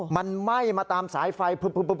มันไหม้มาตามสายไฟ